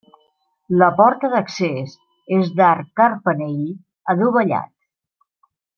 La porta d'accés és d'arc carpanell adovellat.